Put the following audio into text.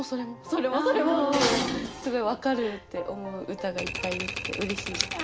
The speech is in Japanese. それもそれも！ってすごい分かる！って思う歌がいっぱい出来てうれしいです。